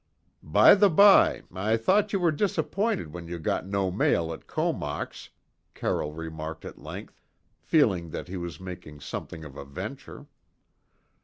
"By the by, I thought you were disappointed when you got no mail at Comox," Carroll remarked at length, feeling that he was making something of a venture.